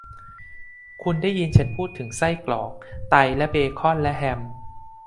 คุณได้ยินฉันพูดถึงไส้กรอก ไตและเบคอนและแฮม